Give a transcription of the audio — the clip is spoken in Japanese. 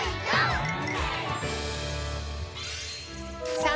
さあ